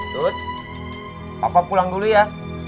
tut papa pulang dulu ya